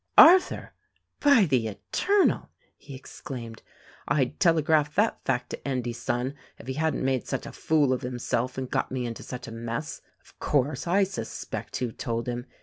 "Arthur! By the Eternal!" he exclaimed. "I'd tele graph that fact to Endy's son if he hadn't made such a fool of himself and got me into such a mess. Of course, I suspect who told him.